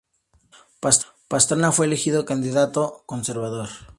Pastrana fue elegido candidato conservador.